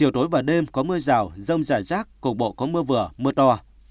tối và đêm có mưa rào rông giải rác cuộc bộ có mưa vừa mưa to